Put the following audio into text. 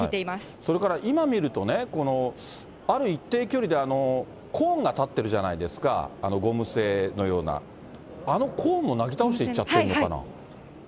それから今見るとね、ある一定距離でコーンが立ってるじゃないですか、ゴム製のような、あのコーンもなぎ倒していっちゃってるのかな。